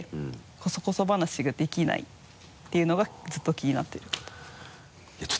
こそこそ話ができないっていうのがずっと気になっていることです。